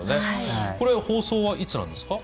これ、放送はいつなんですか？